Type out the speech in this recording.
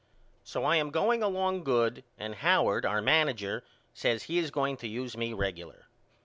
So I am going along good and Howard our manager says he is going to use me regular.